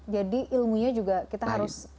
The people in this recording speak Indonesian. jadi ilmunya juga kita harus